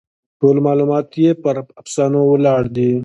ټول معلومات یې پر افسانو ولاړ دي.